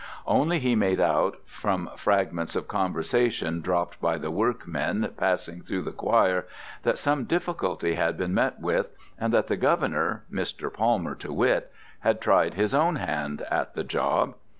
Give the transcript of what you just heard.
Only he made out from fragments of conversation dropped by the workmen passing through the choir that some difficulty had been met with, and that the governor Mr. Palmer to wit had tried his own hand at the job.